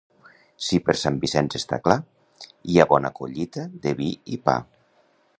Si per Sant Vicenç està clar, hi ha bona collita de vi i pa.